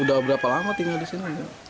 udah berapa lama tinggal disini